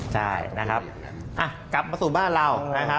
ใช่นะครับกลับมาสู่บ้านเรานะครับ